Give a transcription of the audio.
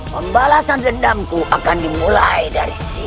pembalasan dendamku akan dimulai dari sini